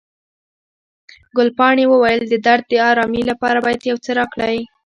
ګلپاڼې وویل، د درد د آرامي لپاره باید یو څه راکړئ.